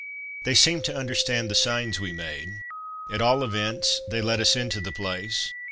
They seemed to understand the signs we made; at all events they let us into the place.